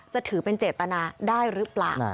จะถือเป็นเจตนาได้หรือเปล่า